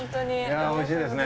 いやおいしいですね。